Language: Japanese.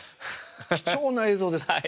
貴重な映像です。